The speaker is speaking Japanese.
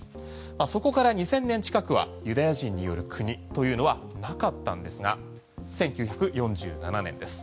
そこから２０００年近くはユダヤ人による国というのはなかったんですが１９４７年です。